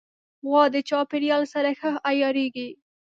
غوا د چاپېریال سره ښه عیارېږي.